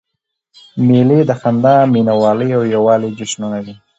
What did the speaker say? مېلې د خندا، مینوالۍ او یووالي جشنونه دي.